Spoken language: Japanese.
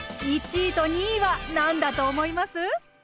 １位と２位は何だと思います？